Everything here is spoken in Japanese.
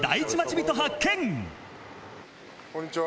こんにちは。